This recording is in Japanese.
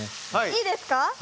いいですか？